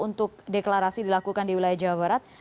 untuk deklarasi dilakukan di wilayah jawa barat